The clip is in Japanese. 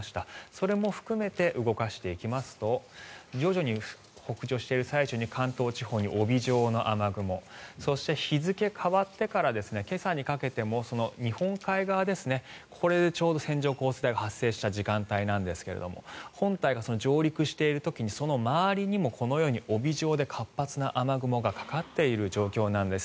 それも含めて動かしていきますと徐々に、北上している最中に関東地方に帯状の雨雲そして、日付が変わってから今朝にかけても日本海側これがちょうど線状降水帯が発生した時間帯なんですが本体が上陸している時にその周りにもこのように帯状で活発な雨雲がかかっている状況なんです。